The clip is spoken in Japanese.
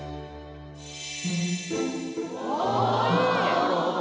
なるほど。